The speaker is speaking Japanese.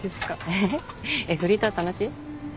えっフリーター楽しい？